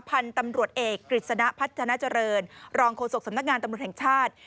พันธุ์ตำรวจเอกกฤษณะพัฒนาเจริญรองโฆษกสำนักงานตำรวจแห่งชาติ